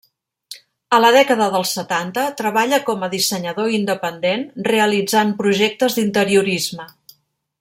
A la dècada dels setanta treballa com a dissenyador independent realitzant projectes d'interiorisme.